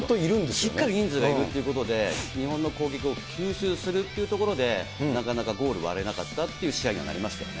しっかり人数がいるっていうことで、日本の攻撃を吸収するっていうことで、なかなかゴール割れなかったっていう試合にはなりましたよね。